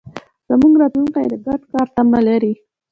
زموږ راتلونکی د ګډ کار تمه لري.